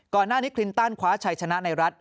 ก่อนหน้านี้คลินตันคว้าชัยชนะในรัฐ